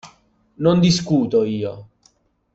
Non discuto, io.